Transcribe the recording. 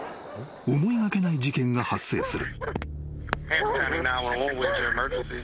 ［思いがけない事件が発生する］